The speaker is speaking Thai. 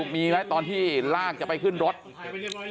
บอกนี่ยังไม่ผิดเหรอนอนเมาอยู่หน้ากุฏิ